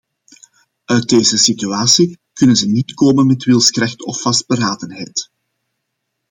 Uit deze situatie kunnen ze niet komen met wilskracht of vastberadenheid.